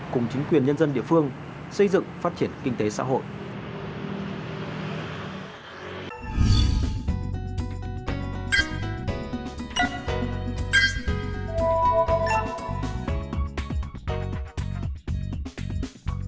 cùng chính quyền nhân dân địa phương xây dựng phát triển kinh tế xã hội